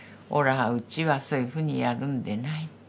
おらぁうちはそういうふうにやるんでない。